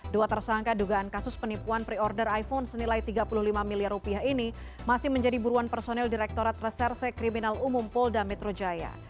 dua tersangka dugaan kasus penipuan pre order iphone senilai tiga puluh lima miliar rupiah ini masih menjadi buruan personil direktorat reserse kriminal umum polda metro jaya